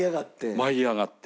舞い上がって。